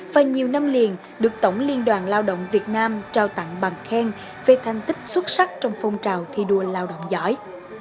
và nhiều năm liền được tổng liên đoàn lao động việt nam trao tặng bằng khen về thành tích xuất sắc trong phong trào thi đua lao động giỏi